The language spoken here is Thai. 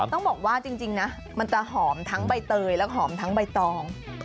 ต้องบอกว่าจริงนะมันจะหอมทั้งใบเตยและหอมทั้งใบตอง